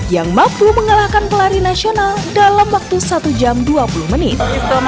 yang mampu mengalahkan pelari nasional dalam waktu satu jam dua puluh menit